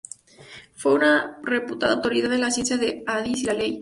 Fue una reputada autoridad en la ciencia del hadiz y la ley.